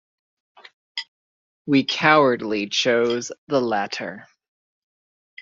We cowardly chose the latter.